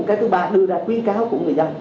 cái thứ ba là đưa ra khuyến kháu của người dân